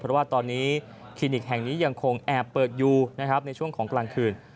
เพราะว่าตอนนี้คลินิกแห่งนี้ยังคงแอบเปิดอยู่นะครับในช่วงของกลางคืน